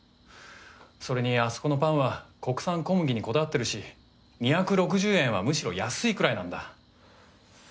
それにあそこのパンは国産小麦にこだわってるし２６０円はむしろ安いくらいなんだ。